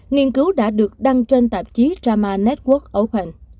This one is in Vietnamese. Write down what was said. nghiên cứu đã được đăng trên tạp chí rama network open